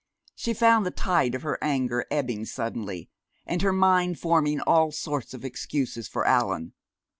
She found the tide of her anger ebbing suddenly, and her mind forming all sorts of excuses for Allan.